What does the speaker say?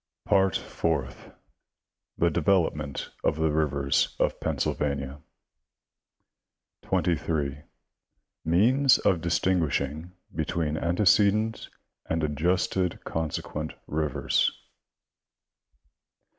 Part Fourth. The development of the rivers of Pennsylvania. 23. Means of distinguishing between antecedent and adjusted consequent rivers.